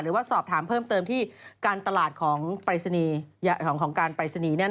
ว่าสอบถามเพิ่มเติมที่การตลาดของการปรายศนีย์